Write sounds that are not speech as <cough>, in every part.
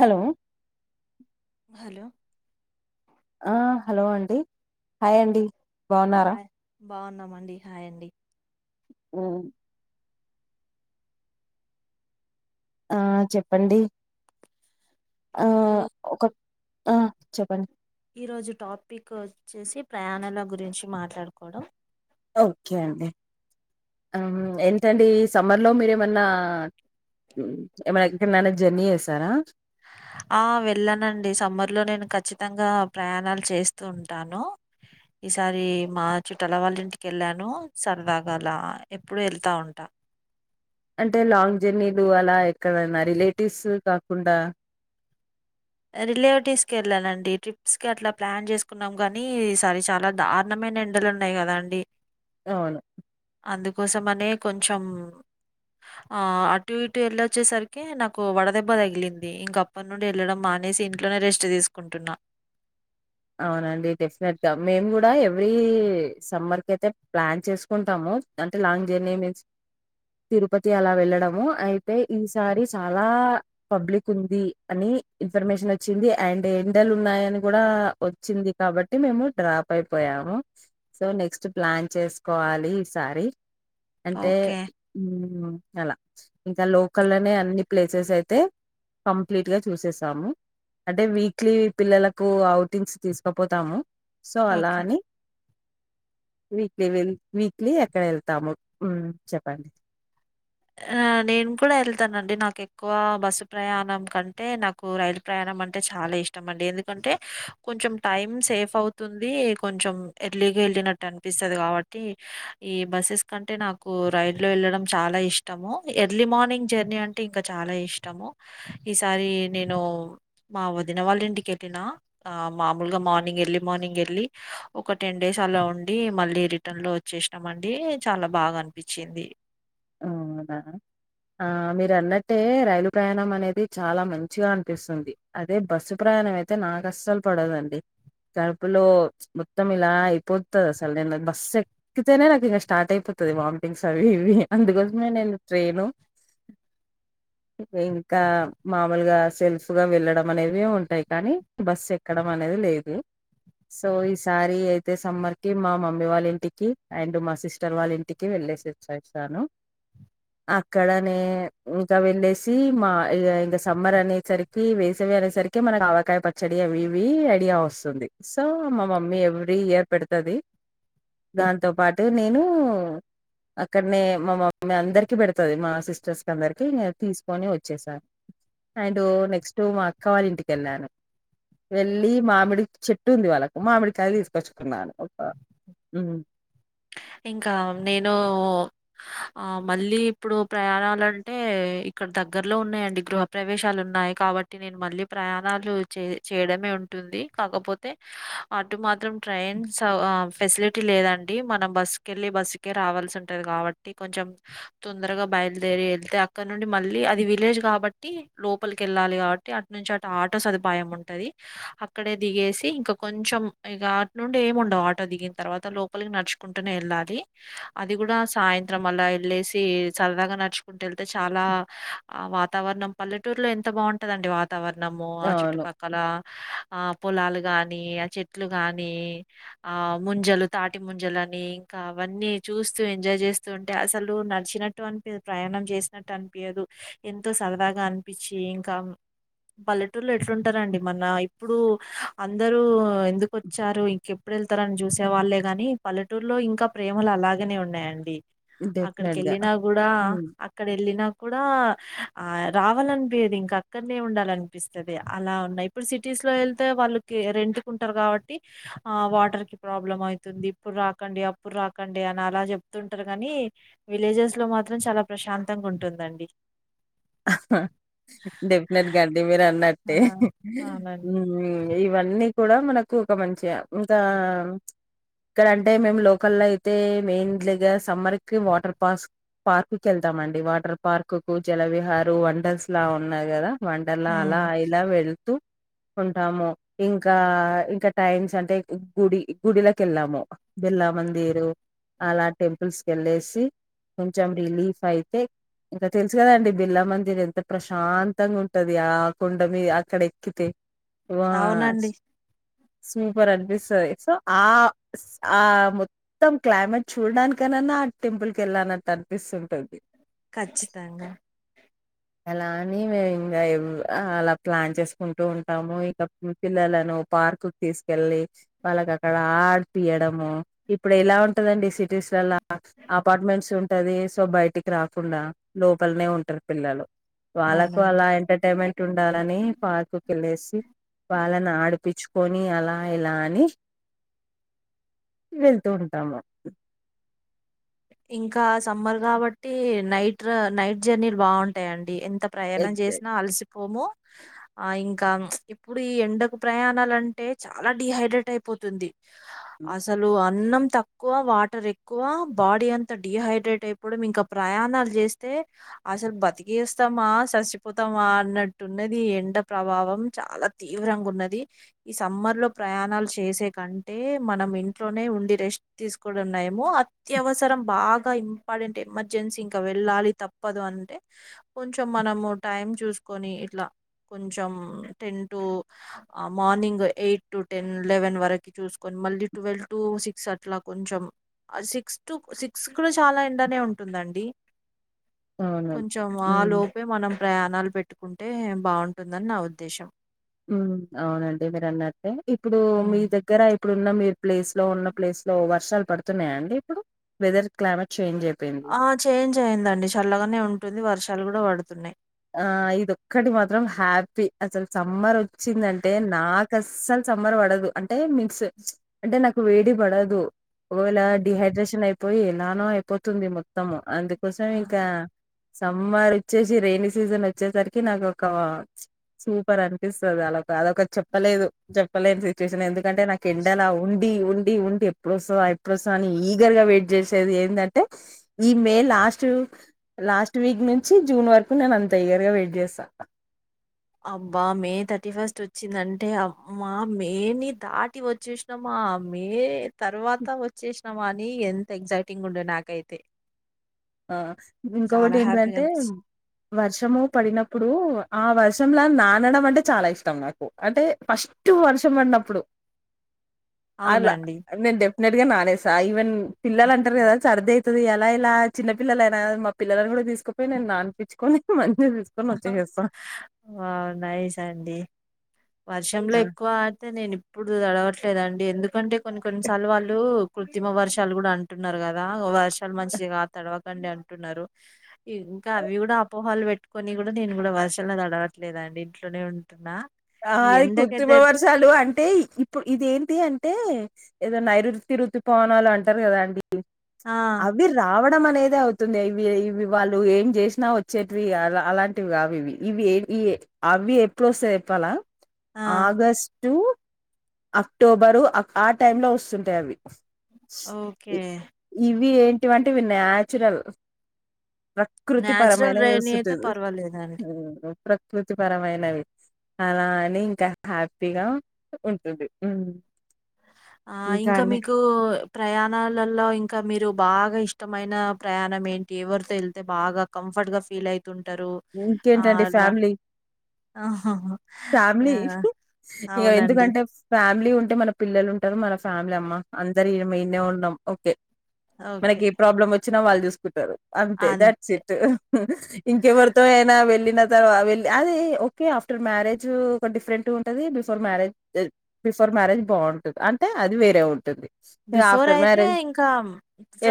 Hello hello ఆ hello అండి hi అండి బాగున్నారా హాయ్ బాగున్నామండి హాయ్ అండి మ్ ఆ చెప్పండి ఆ ఈ ఒక ఆ చెప్పండి ఈ రోజు టాపిక్ వచ్చేసి ప్రయాణాల గురించి మాట్లాడుకోవడం ఓకే అండి ఏంటండి సమ్మర్లో మీరేమన్నా మ్ ఏమైనా ఎక్కనైనా జర్నీ చేసారా ఆ వెళ్ళనండి సమ్మర్ లో నేను ఖచ్చితంగా ప్రయాణాలు చేస్తూ ఉంటాను ఈసారి మా చుట్టల వాళ్ళ ఇంటికి వెళ్ళాను సరదాగా అల ఎప్పుడు వెళ్తా ఉంటా అంటే లాంగ్ జర్నీలు అలా ఎక్కడన్నా రిలేటివ్స్ కాకుండా రిలేటివ్స్ కి వెళ్ళాలండి ట్రిప్స్ కి అట్లా ప్లాన్ చేసుకున్నాం కాని ఈ సారి చాలా దారుణమై నా ఎండలు ఉన్నాయి కదా అండి అవును అందుకోసం అనే కొంచెం ఆ అటు ఇటు వెళ్ళొచ్చేసరికి నాకు వడదెబ్బ తగిలింది ఇంక అప్ప నుండి వెళ్ళడం మా నేసి ఇంట్లోనే రెస్ట్ తీసుకుంటున్నా అవునండి డెఫినెట్ గా మేము కూడా ఎవ్రీ సమ్మర్ కి అయితే ప్లాన్ చేసుకుంటాము అంటే లాంగ్ జర్నీ తిరుపతి అలా వెళ్ళడము అయితే ఈసారి చాలా పబ్లిక్ ఉంది అని ఇన్ఫర్మేషన్ వచ్చింది అండ్ ఎండలు ఉన్నాయని కూడా వచ్చింది కాబట్టి మేము డ్రాప్ అయిపోయాము సో నెక్స్ట్ ప్లాన్ చేసుకోవాలి ఈసారి అంటే ఓకే. మ్ అలా ఇంకా లోకల్నే అన్ని ప్లేసెస్ అయితే కంప్లీట్ గా చూసేసాము అంటే వీక్లీ పిల్లలకు అవుట్ టింగ్స్ తీసుకుపోతాము సో అలా ఓకే. అని వీక్లీ వెల్ వీక్లీ అక్కడ వెళ్తాము మ్ చెప్పండి నేను కూడా వెళ్తానండి నాకు ఎక్కువ బస్సు ప్రయాణం కంటే నాకు రైలు ప్రయాన్ నం అంటే చాలా ఇష్టమండి ఎందుకంటే కొంచెం టైమ్ సేఫ్ అవుతుంది కొంచం ఏర్లీ గ ఏళ్ళినట్టనిపిస్తది కాబట్టి ఈ బస్సెస్ కంటే నాకు రైల్ ళ్ళో వెళ్ళడం చాలా ఇష్ ష్టం ఎర్లీ మార్నింగ్ జర్నీ అంటే ఇంకా చాలా ఇష్టము ఈసారి నేను మా వదిన వాళ్ళింటికెళ్ళిన ఆ మామూలుగా మార్నింగ్ ఎర్లీ మార్నింగ్ వెల్లి ఒక టెన్ డేస్ అలా ఉండి మళ్ళీ రిటర్న్ లో వచ్చేసినాం మండీ చాలా బాగా అనిపించింది ఆ ఆ మీరు అన్నట్టే రైలు ప్రయాణం అనేది చాలా మంచిగా అనిపిస్తుంది అదే బస్సు ప్రయాణం ప్రయాణం అయితే నాకస్సలు పడదండి కడుపులో మొత్తం ఇలా అయిపోతది అసలు నేను బస్సు ఎక్కితేనే నాకు ఇంక స్టార్ట్ అయిపోతు వామిటింగ్స్ అవి ఇవి అందుకోసమే నేను ట్రైను ఇంకా మామూలుగా సెల్ఫ్గా వెళ్ళడం అనేవి ఉంటాయి కానీ బస్ ఎక్కడం అనేది అది లేదు సో ఈసారి అయితే సమ్మర్ కి మా మమ్మీ వాళ్ళ ఇంటికి అండ్ మా సిస్టర్ వాళ్ళింటికి వెళ్తూ <inaudible> అక్కడనే ఇంకా వెళ్ళేసి మా ఇక ఇంకా సమ్మర్ అనేసరికి వేస అనే సరికి మనకు ఆవకాయ పచ్చడి అవి ఇవి ఐడియా వస్తుంది సో మా మమ్మీ ఎవ్రీ ఇయర్ పెడు తది దాంతో పాటు నేను అక్కడనే మా మమ్మీ అందరికి పెడతది మా సిస్టర్స్ అందరికి మేం తీసుకొని వచ్చేసాం అండ్ నెక్స్ట్ మా అక్క వాళ్ల ఇంటికి వెళ్ళాను వెళ్ళి మామిడి చెట్టు ఉంది వాళ్ళకు మామిడి కాయలు తీసుకొచ్చుకున్నాను ఒక మ్ ఇంకా నేను ఆ మళ్ళీ ఇప్పుడు ప్రయాణాలంటే ఇక్కడ దగ్గరలో ఉన్నాయండి గృహ ప్రవేశాలు ఉన్నాయి కాబట్టి నేను మళ్ళీ ప్రయాణాలు చే చేయడమే ఉంటు ఉంది కాకపోతే అటు మాత్రం ట్రైన్స్ ఆ ఫెసిలిటీ లేదండి మనం బస్ కెళ్ళి బస్ కి రావాల్సి ఉంటది కాబట్టి కొంచెం తొందరగా బయలుదేరి వెళ్తే అక్కడ నుండి మళ్ళీ అది విలేజ్ కాబట్టి లోపలికి వెళ్ళాలి కాబట్టి అటు నుంచి అటు ఆటో సదుపాయం ఉంటది అక్కడే దిగేసి ఇంకా కొంచెం ఇక అటు నుండి ఏమి ఉండవు ఆటో దిగిన తర్వాత లోపలికి నడుచు కుంటూనే వెళ్ళాలి అది కూడా సాయంత్రం అలా వెళ్ళేసి సరదాగా నడుచుకుంటూ వెళ్తే చాలా ఆ హా వాతావరణం పల్లెటూరులో ఎంత బాగుంటదండి వాత వాతవర్ణము ఆ అవును చుట్టుపక్కల ఆ పొలాలు గానీ ఆ చెట్లు గాని ఆ ముంజలు తాటి ముంజలు అని అ ఇంకా అవన్నీ చూస్తూ ఎంజాయ్ చేస్తూ ఉంటే అసలు నడిచినట్టు అనిపియ్యదు ప్రయాణం చేసినట్టు అనిపియ్యదు పియ్యదు ఎంతో సరదాగా అనిపించి ఇంకా పల్లెటూర్లో ఎట్లుంటారండి మన ఇప్పుడు అందరూ ఎందుకు వచ్చారు ఇంకెప్పుడు వెళ్తారని చూసే వాళ్లే గాని పల్లెటూరులో ఇంకా ప్రేమలు అలాగనే ఉన్నాయండి అక్కడికి డెఫినెట్ గా వెళ్ళినా కూడా హ్మ్ అక్కడ వెళ్ళినా కూడా హా ఆ రావాలనిపియ్యదు ఇంకా అక్కడనే ఉండాలనిపిస్తుది అలా ఉన్నాయి ఇప్పుడు సిటీస్ లో వెళ్తే వాళ్ళు రెంట్ కుంటారు కాబట్టి ఆ వాటర్ కి ప్రాబ్లం అవుతుంది అప్పుడు రాకండి అప్పుడు రాకండి అని అలా చెప్తుంటారు కాని విలేజెస్ లో మాత్రం చాలా ప్రశాంతంగా ఉంటుందండి హాహా డెఫినెట్ గా అండీ మీరు ఆ అన్నట్టే అవునండి ఇవన్నీ కూడా మనకు ఒక మంచే అంతా ఇక్కడ అంటే మేము లోకల్ అయితే మెయిన్ గా సమ్మర్ కి వాటర్ పార్క్ పార్క్ కి వెళ్తామండి వాటర్ పార్క్ కు జలవిహార వండర్స్ లా ఉన్నాయి కదా వండర్లా అలా ఉమ్ ఇలా వెళ్తూ ఉంటాము ఇంకా ఇంకా టైంమ్స్ అంటే గుడి గుడిలోకి వెళ్ళాము బిర్లా మందిరు అలా టెంపుల్స్ కి వెళ్లేసి కొంచెం రిలీఫ్ అయితే ఇంకా తెలుసు కదాండి బిర్లా మందిర్ ఎంత ప్రశాంతంగా ఉంటది ఆ కొండ మీ అక్కడ ఎక్కితే వాస్ అవునండి స్వీపర్ అనిపిస్తది సో ఆ స్ ఆ మొత్తం క్లైమేట్ చూడడానికన్నా ఆ టెంపుల్ క వెళ్ళనట్టు అనిపిస్తుంటది కచ్చితంగా అలా అని మేము ఇంకా ఏవ్ అలా ప్లాన్ చేసుకుంటూ ఉంటాము ఇంక చిన్న పిల్లల ను పార్క్ తీసుకెళ్ళి వాళ్ళకి అక్కడ ఆడిపియ్యడం ఇప్పుడు ఎలా ఉంటదండి సిటీస్ లల్లా ఆ అపార్ట్మెంట్స్ ఉంటది సో బయటికి రాకుండా లోపలనే ఉంటారు పిల్లలు వాళ్ళకు అవునండి అలా ఎంటర్టైన్మెంట్ ఉండాలని పార్కుకి వెళ్ళేసి వాళ్లని ఆడిపచ్చుకొని అలా ఇలా అని వెళ్తుంటాము ఇంకా సమ్మర్ కాబట్టి నైట్ నైట్ జర్నీలు బావుంటాయండి ఎంత ప్రయాణం ఎగ్జాక్ట్. చేసినా అలసి పోము ఆ ఇంకా ఇప్పుడు ఈ ఎండకు ప్రయాణాలు అంటే చాలా డిహైడ్రేట్ అయిపోతుంది హ్మ్. అసలు అన్నం తక్కువ వాటర్ ఎక్కువ బాడీ అంత డిహైడ్రేట్ అయిపోవడం ఇంకా ప్రయాణాలు చేస్తే అసలు బతికిస్తామా చచ్చిపోతామా అన్నట్టున్నది ఎండ ప్రభావం చాలా తీవ్రంగా ఉన్నది ఈ సమ్మర్ లో ప్రయాణాలు చేసే కంటే మనం ఇంట్లోనే ఉండి రెస్ట్ తీసుకోవడం నయం ఆ త్యవసరం బాగా ఇంపార్టెంట్ ఎమర్జెన్సీ ఇంకా వెళ్ళాలి తప్పదు అంటే కొంచెం మనము టైం చూసుకొని ఇట్లా కొంచెం ten to morning eight to ten eleven వరకు చూసుకొని మళ్ళీ ట్వెల్వ్ టు సిక్స్ అట్లా కొంచెం ఆ సిక్ క్స్ టు సిక్స్ కూడా చాలా ఎండనే ఉంటుందండి అవును. కొంచెం హ్మ్. ఆలోపే మనం ప్రయాణాలు పెట్ కుంటే బాగుంటుందని నా ఉద్దేశం ఉ అవునండి మీరన్నట్టే ఇప్పుడు మీ హ్మ్. దగ్గర అయి ఇప్పుడున్న మీ ప్లేస్ లో ఉన్న ప్లేస్ లో వర్షాలు పడుతున్నాయా అండి ఇప్పుడు వెదర్ క్లమేట్ చేంజ్ అయి ఆ చేంజ్ అయిందండి చల్లగానే ఉంటుంది వర్షాలు కూడా పడుతున్నాయి ఆ ఇదొక్కటి మాత్రం హ్యాపీ అసలు సమ్మర్ వచ్చిందంటే నాకు అస్సలు సమ్మర్ పడదు అంటే మీన్స్ అంటే నాకు వేడి పడదు ఒకవేళ ఓకే డిహైడ్రేషన్ అయిపోయి ఎలానో అయిపోతుంది మొత్తం అందుకోసం ఆ! ఇంకా సమ్మర్ వచ్చేసి రేణి సీజన్ వచ్చేసరికి నాకు ఒక సూపర్ అనిపిస్తది అలా అదొక చెప్పలేదు చెప్పలేని సిచ్యుయేషన్ ఎందుకంటే నాకు ఎండలా ఉండి డి ఉండి ఉండి ఎప్పుడొస్తదా ఎప్పుడొస్తదా అని ఈగర్ గా వెయిట్ చేసేది ఏందంటే ఈ మేల్ లాస్టు లాస్ట్ వీక్ నుంచి జూన్ వరకు నేను అంత ఈగరుగా వెయిట్ చేస్తా అబ్బా మే థర్టీ ఫస్ట్ వచ్చిందంటే అమ్మా మే నే దాటి వచ్చేసినామా ఆ మే తర్వాత వచ్చేసినాం అని ఎంత ఎగ్జైటింగ్ ఉండే నాకైతే ఆ ఇంకొకటి చాలా హ్యాపీగా ఏంటిదంటే అనిపిచ్చి వర్షము పడినప్పుడు ఆ వర్షం ర్షంలా నానడం అంటే చాలా ఇష్టం నాకు అంటే ఫస్ట్ వర్షం పడినప్పుడు అలా అవునండి. నింటే చిన్నటిగా నానేసా ఈవెన్ పిల్లలు అంటారు కదా సర్ది అయితది ఎలా ఇలా చిన్న పిల్లలైనా గాని మా పిల్లని కూడా తీసుకుపోయి నేను నాన్పిచ్చుకొని మం ఆ హా వావ్ నైస్ అండి వర్షంలో ఆ ఎక్కువ ఆడితే నేను ఇప్పుడు తలవట్లేదండి ఎందుకంటే కొన్ని కొన్నిసార్లు వాళ్ళు కృత్రిమ వర్షాలు కూడా అంటున్నారు కదా వర్షాలు మంచిగా తడవకండి అంటున్నారు ఇంకా అవి కూడా అపోహలు పెట్టుకొని కూడా నేను కూడా వర్షంలో తడవట్లేదు ఇంట్లోనే ఉంటున్నా ఈ అయ్ కూతిమ ఎండకైతే వర్షాలు అంటే ఇప్పుడు ఇదేంటి అంటే ఏదో నైరుతి ఋతుపవనాలు అంటారు కదా అండి ఆ! అవి రావ నమనేదే అవుతుందె ఇవి ఇవి వాళ్ళు ఏం చేసినా వచ్చేటివి అలాంటివి కావి ఇవి ఇవి ఏ ఈ ఏ అవి ఎప్పుడు వస్తాయ్ చెప్పాలా ఆ! ఆగస్ టూ అక్టోబరు ఆ టైం లో వస్తుంటాయి అవి ఓకే ఇ- ఇవి ఏంటివంటే ఇవి నాచురల్ ప్రకృతి నేచురల్ పరమైన రైనీ అయితే వస్తుంటది పర్వాలేదండి. ఆ ప్రకృతి పరమైనవి అలా అని ఇంకా హ్యాపీగా ఉంటుంది హ్మ్ ఆ ఇంకా మీకు ప్రయాణలలో ఇంకా మీరు బాగా ఇష్టమైన ప్రయాణం ఏంటి ఎవరితో వెళ్తే బాగా కంఫర్ట్ గా ఫీల్ అయి తుంటారు ఆ ఇంకేంటండి అలా ఫ్యామిలీ ఆ ఫ్యామిలీ ఆ అవునండి రెడీ ఉంటే మన పిల్లలు ఉంటారు మన ఫ్యామిలీ అమ్మ అందరు ఏం ఇనే ఉన్నాం ఓకే ఓకే. మనకి ఏ ప్రాబ్లం వచ్చినా వాళ్ళు చూసుకుంటారు అంతే దాట్స్ ఇట్ ఇంకే ఎవరు అయినా వెళ్ళిన తర్వా వెళ్లి అది ఓకే ఆఫ్టర్ మ్యారేజ్ ఒక డిఫరెంట్ ఉంటది బిఫోర్ మ్యారేజ్ బిఫోర్ మ్యారేజ్ బాగుంటుం అంటే అది వేరే ఉంటుంది ఇగ బిఫోర్ ఆఫ్టర్ అయితే మ్యారేజ్ ఇంకా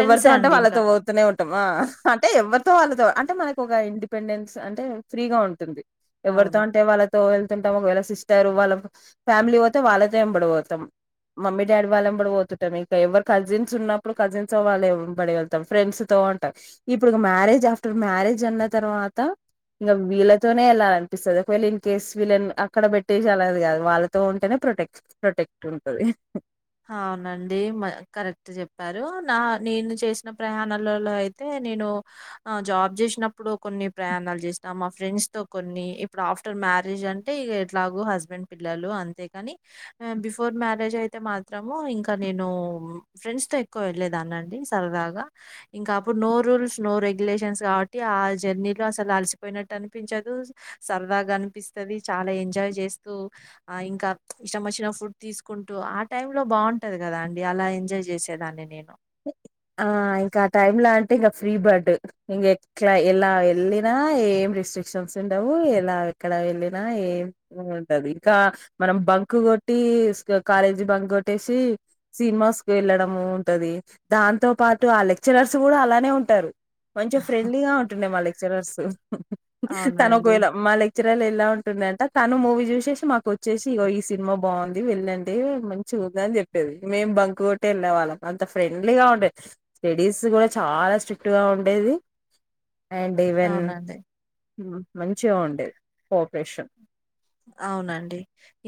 ఎవరితో అంటే అండి ఇంకా. వాళ్ళతో పోతూనే ఉంటామా అంటే ఎవర్ తో వాళ్ళతో అంటే మనకు ఒక ఇండిపెండెన్స్ అంటే ఫ్రీగా ఉంటుంది అవును. ఎవరితో అంటే వాళ్ళ వెళ్తుంటాం ఒకవేళ సిస్టర్ వాళ్ళ ఫ్యామిలీ పోతే వాళ్ళతో ఏంబడిపోతాం మమ్మీ డాడీ వాళ్ళ ఏంబడిపోతుంటాం ఇంకా ఎవరు కజిన్స్ ఉన్నప్పుడు కజిన్స్ వాళ్ళ ఏంబడి వెళ్తాం ఫ్రెండ్స్ తో బాగుంటా ఇప్పుడు ఇగ మ్యారేజ్ ఆఫ్టర్ మ్యారేజ్ అన్న తర్వాత ఇంగ వీళ్ళతోనే ఎల్లాలి అనిపిస్తది ఒకవేళ ఇన్ కేస్ వీళ్ళన్ అక్కడ పెట్టేసి వెళ్ళేది కాదు వాళ్ళతో ఉంటేనే ప్రొటెక్ట్ ప్రొటెక్ట్ ఉంటది అవునండి మ కరెక్ట్ చెప్పారు నా నేను చేసిన ప్రయాణలలో అయితే నేను జాబ్ చేసినప్పుడు కొన్ని ప్రయాణాలు చేసినా మా ఫ్రెండ్స్ తో కొన్ని ఇప్పుడు ఆఫ్టర్ మ్యారేజ్ అంటే ఇగ ఎట్లాగో హస్బెండ్ పిల్లలు అంతేగాని బిఫోర్ మ్యారేజ్ అయితే మా త్రము ఇంకా నేను ఫ్రెండ్స్ తో ఎక్కువ వెళ్ళలేదాన్ని అండి సరదాగా ఇంకా అప్పుడు నోర్ రూల్స్ నో రెగ్యులేషన్స్ కాబట్టి ఆ జర్నీలో అసలు అలసిపోయినట్టు అనిపించదు సరదాగా అనిపిస్తది చాలా ఎంజాయ్ చేస్తూ ఆ ఇంకా ఇష్టం వచ్చిన ఫుడ్ తీసుకుంటూ ఆ టైంలో బాగుంటది కదా అండి అలా ఎంజాయ్ చేసేదాన్ని నేను ఆ ఇంకా ఆ టైం లో అంటే ఇంకా ఫ్రీ బర్డ్ ఇంక ఎట్లా ఎలా వెళ్ళిన ఏ రెస్ట్రిక్షన్స్ ఉండవు ఎలా ఎక్కడ వెళ్ళిన ఏం ఉండదు ఇంకా మనం బంకు కొట్టి కాలేజీ బం కొట్టేసి సినిమాస్ కు వెళ్ళడం ఉంటది దాంతో పాటు ఆ లెక్చరర్స్ కూడా అలానే ఉంటారు కొంచం ఫ్రెండ్లీగా ఉంటుండే మా లెక్చరర్స్ తన అవునండి. ఒకవేళ మా లె చరల్ ఎలా ఉంటుందంటే తను మూవీ చూసేసి మాకు వచ్చేసి ఈ సినిమా బాగుంది వెళ్ళండి మంచి చద చెప్పేది మేము బంకు కొట్టి వెళ్ళే వాళ్ళం అంత ఫ్రెం ఫ్రెండ్లీ గా ఉండే స్టడీస్ కూడా చాలా స్ట్రిక్ట్ గా ఉండేది అండ్ ఈవెన్ అవునండి. మంచిగా ఉండేది కోఆపరేషన్ అవునండి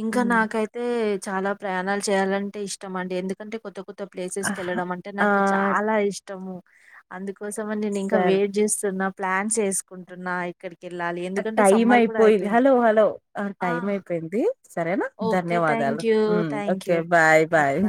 ఇంకా హ్మ్. నాకైతే చాలా ప్రయాణలు చేయాలంటే ఇష్టం అండి ఎందుకంటే కొత్త కొత్ ప్లేసెస్కి ఆహ్! వెళ్లడం అంటే ఆ నాకు చాలా ఇష్టము అందుకు కోసమని నేను ఇంకా సర్ వెయిట్ చేస్తున్న ప్లాన్స్ చేసుకుంటున్నా ఇక్కడికి టైం అయిపోయింది హలో హలో ఆ టైం అయిపోయింది సరేనా ఓకే. ధన్యవాదాలు thank you. Thank okay you. Bye bye